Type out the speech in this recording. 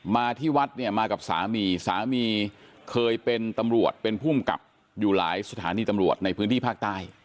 มาที่วัดเนี่ยมากับสามีสามีเคยเป็นตำรวจเป็นภูมิกับอยู่หลายสถานีตำรวจในพื้นที่ภาคใต้